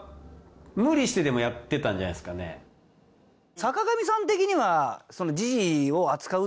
坂上さん的には。